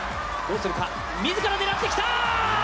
自ら狙ってきた！